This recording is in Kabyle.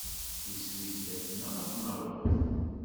Iswi sdat-neɣ ad t-naweḍ.